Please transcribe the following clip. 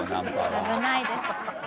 危ないです。